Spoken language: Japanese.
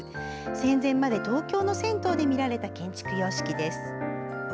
戦前まで東京の銭湯で見られた建築様式です。